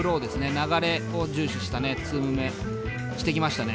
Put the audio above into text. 流れを重視した２ムーブ目してきましたね。